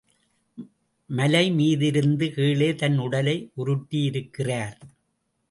மலை மீதிருந்து கீழே தன் உடலை உருட்டியிருக்கிறார்.